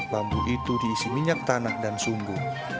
bambu itu diisi minyak tanah dan sumbu